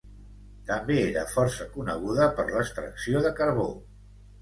També era força coneguda per l'extracció de carbó.